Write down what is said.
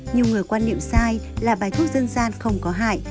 nhiều người quan niệm sai là bài thuốc dân gian không có hại